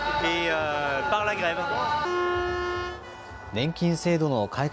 年金制度の改革